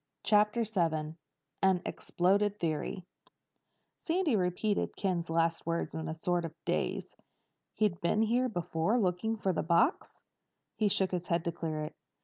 CHAPTER VII AN EXPLODED THEORY Sandy repeated Ken's last words in a sort of daze. "He'd been here before looking for the box?" He shook his head to clear it.